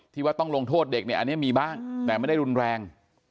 ว่าต้องลงโทษเด็กเนี่ยอันนี้มีบ้างแต่ไม่ได้รุนแรง